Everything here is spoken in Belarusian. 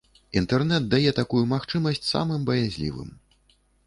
Інтэрнэт дае такую магчымасць самым баязлівым.